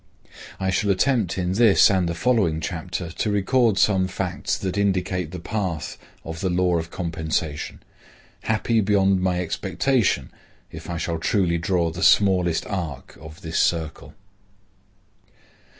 I shall attempt in this and the following chapter to record some facts that indicate the path of the law of Compensation; happy beyond my expectation if I shall truly draw the smallest arc of this circle.